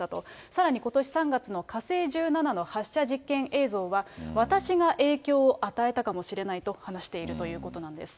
さらに、ことし３月の火星１７の発射実験映像は、私が影響を与えたかもしれないと話しているということなんです。